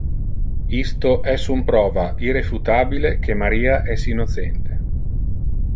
Isto es un prova irrefutabile que Maria es innocente.